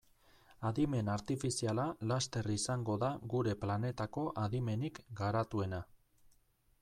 Adimen artifiziala laster izango da gure planetako adimenik garatuena.